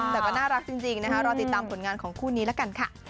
แต่ก็น่ารักจริงนะคะรอติดตามผลงานของคู่นี้ละกันค่ะ